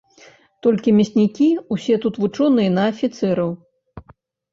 Толькі мяснікі ўсе тут вучоныя на афіцэраў.